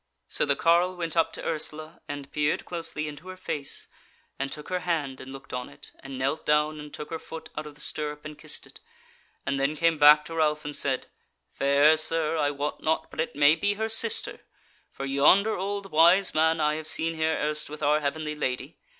So the carle went up to Ursula, and peered closely into her face, and took her hand and looked on it, and knelt down and took her foot out of the stirrup, and kissed it, and then came back to Ralph, and said: "Fair Sir, I wot not but it may be her sister; for yonder old wise man I have seen here erst with our heavenly Lady.